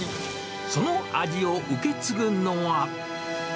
その味を受け継ぐのは。